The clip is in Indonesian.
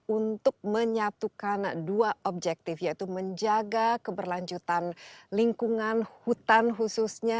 untuk menyatukan dua objektif yaitu menjaga keberlanjutan lingkungan hutan khususnya